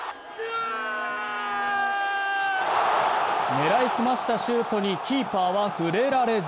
狙い澄ましたシュートにキーパーは触れられず。